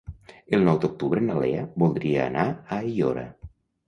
El nou d'octubre na Lea voldria anar a Aiora.